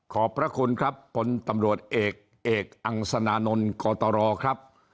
ขอบพระคุณครับพลตำรวจเอกเอกอังสนานนท์กตรครับ